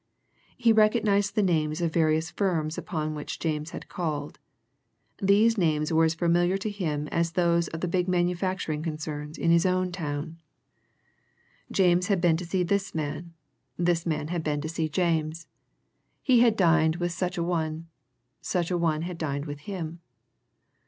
He recognized the names of various firms upon which James had called these names were as familiar to him as those of the big manufacturing concerns in his own town. James had been to see this man, this man had been to see James. He had dined with such an one; such an one had dined with him.